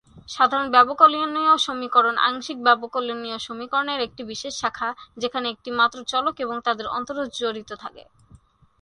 সাধারণ ব্যবকলনীয় সমীকরণ আংশিক ব্যবকলনীয় সমীকরণের একটি বিশেষ শাখা, যেখানে একটি মাত্র চলক এবং তাদের অন্তরজ জড়িত থাকে।